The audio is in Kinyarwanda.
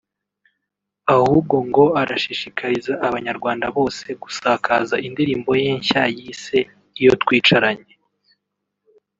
ahubwo ngo arashishikariza Abanyarwanda bose gusakaza indirimbo ye nshya yise ‘Iyo twicaranye’